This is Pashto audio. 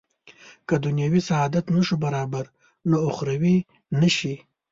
که دنیوي سعادت نه شو برابر نو اخروي نه شي.